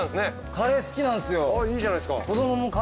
カレー好きなんすよ。